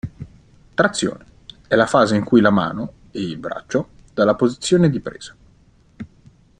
Trazione: è la fase in cui la mano (e il braccio) dalla posizione di presa.